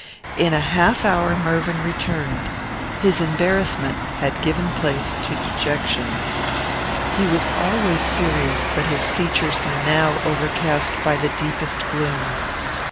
In a half hour Mervyn returned. His embarrassment had given place to dejection. He was always serious, but his features were now overcast by the deepest gloom.